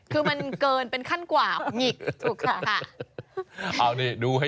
คือมันเกินเป็นขั้นกว่าหงิกถูกค่ะ